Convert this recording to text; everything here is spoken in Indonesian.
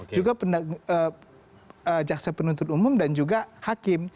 juga jaksa penuntut umum dan juga hakim